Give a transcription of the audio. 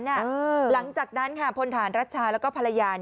หลังจากนั้นค่ะพลฐานรัชชาแล้วก็ภรรยา